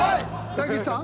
大吉さん。